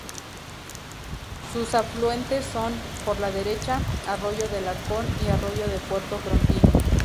Sus afluentes son: por la derecha, arroyo del Arcón y arroyo de Puerto Frontino.